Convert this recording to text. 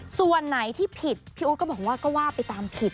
ส่วนไหนที่ผิดพี่อู๊ดก็บอกว่าก็ว่าไปตามผิด